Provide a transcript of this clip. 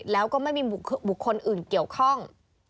แล้วก็ไม่มีบุคคลอื่นเกี่ยวข้อง